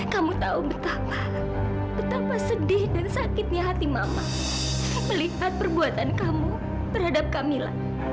kamu tahu betapa betapa sedih dan sakitnya hati mama melihat perbuatan kamu terhadap kami lah